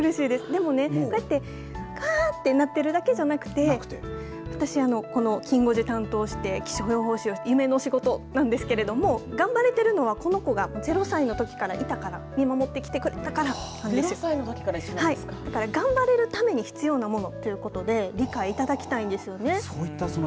でも、これってかーってなってるわけじゃなくて私このきん５時担当して気象予報士、夢の仕事なんですけれども頑張れてるのはこの子が０歳のときからいたから見守ってきてくれたから０歳のときから頑張るために必要なものということで理解いただきたいんですね。